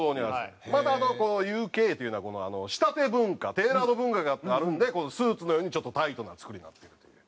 またＵＫっていうのは仕立て文化テーラード文化があるんでこのスーツのようにちょっとタイトな作りになってると。